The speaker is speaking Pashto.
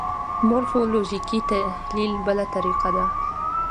مورفولوژیکي تحلیل بله طریقه ده.